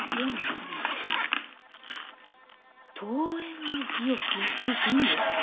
「桃園の義を結びぬ」？